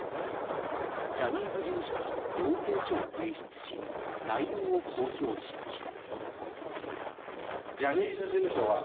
ジャニーズ事務所に要請書を提出し内容を公表しました。